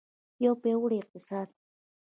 یو پیاوړی اقتصاد.